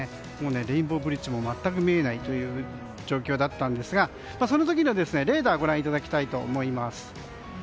レインボーブリッジも全く見えないという状況だったんですがその時のレーダーご覧いただきたいと思います。